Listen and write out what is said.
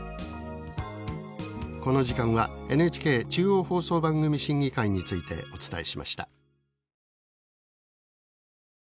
この時間はＮＨＫ中央放送番組審議会についてお伝えしました。